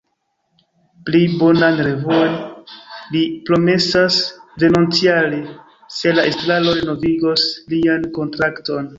Pli bonan revuon li promesas venontjare, se la estraro renovigos lian kontrakton.